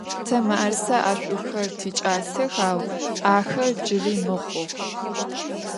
Тэ мыӏэрысэ ӏэшӏухэр тикӏасэх, ау ахэр джыри мыхъух.